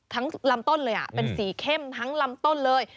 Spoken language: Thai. ลำต้นเลยเป็นสีเข้มทั้งลำต้นเลย